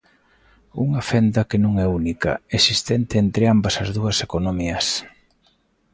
Unha fenda que non é a única existente entre ambas as dúas economías.